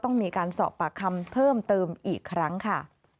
ต้องมีการสอบปากคำเพิ่มเติมอีกครั้งค่ะ